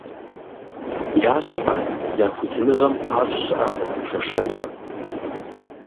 Я щхьэм, я хуитыныгъэм пащӏ щыӏакъым шэшэнхэм.